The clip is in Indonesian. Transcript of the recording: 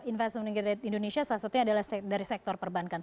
investment grade indonesia salah satunya adalah dari sektor perbankan